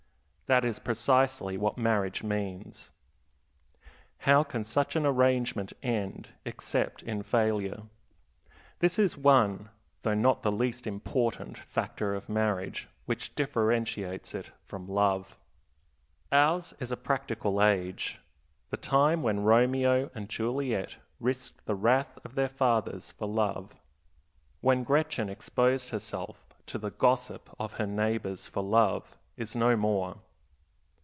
That is precisely what marriage means. How can such an arrangement end except in failure? This is one, though not the least important, factor of marriage, which differentiates it from love. Ours is a practical age. The time when Romeo and Juliet risked the wrath of their fathers for love, when Gretchen exposed herself to the gossip of her neighbors for love, is no more.